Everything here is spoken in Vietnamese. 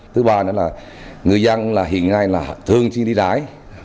thứ ba nữa là người dân hiện nay thường xuyên đi đái